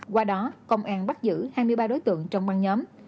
qua đó công an bắt giữ hai mươi ba đối tượng trong băng nhóm